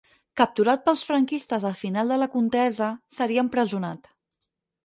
Capturat pels franquistes al final de la contesa, seria empresonat.